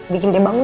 bikin dia bangun